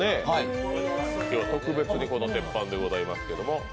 特別にこの鉄板でございますけども。